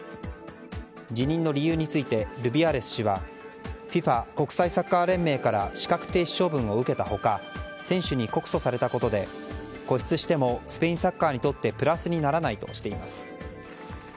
辞任の理由についてルビアレス氏はＦＩＦＡ・国際サッカー連盟から資格停止処分を受けた他選手に告訴されたことで固執してもスペインサッカーにとってプラスにならないとしています。